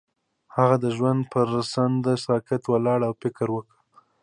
هغه د ژوند پر څنډه ساکت ولاړ او فکر وکړ.